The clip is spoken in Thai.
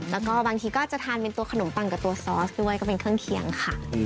แล้วก็บางทีก็จะทานเป็นตัวขนมปังกับตัวซอสด้วยก็เป็นเครื่องเคียงค่ะ